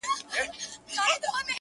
څوک دي نه ګوري و علم او تقوا ته,